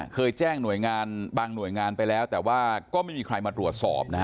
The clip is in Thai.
เคยแจ้งหน่วยงานบางหน่วยงานไปแล้วแต่ว่าก็ไม่มีใครมาตรวจสอบนะฮะ